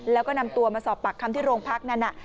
แล้วก็นำตัวมาสอบปากคำที่โรงพักนั้น